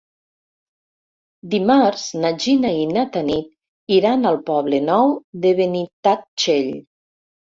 Dimarts na Gina i na Tanit iran al Poble Nou de Benitatxell.